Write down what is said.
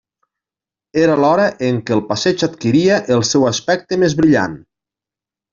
Era l'hora en què el passeig adquiria el seu aspecte més brillant.